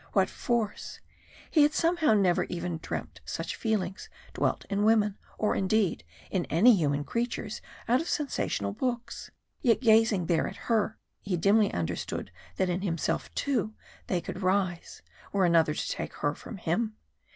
What force! He had somehow never even dreamt such feelings dwelt in women or, indeed, in any human creatures out of sensational books. Yet, gazing there at her, he dimly understood that in himself, too, they could rise, were another to take her from him.